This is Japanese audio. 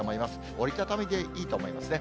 折り畳みでいいと思いますね。